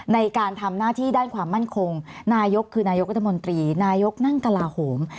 ในการทำหน้าที่ด้านความมั่นคงนายกคือนายกรัฐมนตรีนายกนั่งกระลาโหม